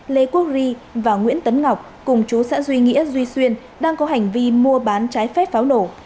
lê quốc ri và nguyễn tấn ngọc cùng chú xã duy nghĩa duy xuyên đang có hành vi mua bán trái phép pháo nổ